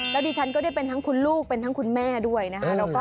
แล้วดิฉันก็ได้เป็นทั้งคุณลูกเป็นทั้งคุณแม่ด้วยนะคะ